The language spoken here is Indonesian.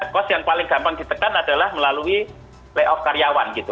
cost yang paling gampang ditekan adalah melalui playoff karyawan gitu